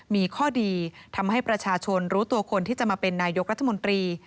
มีข้อดีทำให้ประชาชนรู้ตัวคนที่จะมาเป็นนายกรัฐมนตรี